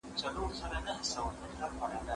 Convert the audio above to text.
زه به سبا سپينکۍ پرېولم وم؟